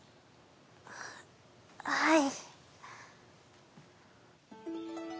あっはい。